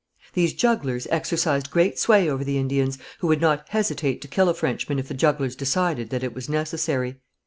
These jugglers exercised great sway over the Indians, who would not hesitate to kill a Frenchman if the jugglers decided that it was necessary.